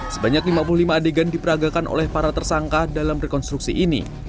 sebanyak lima puluh lima adegan diperagakan oleh para tersangka dalam rekonstruksi ini